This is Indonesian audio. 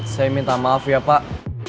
saya minta maaf ya pak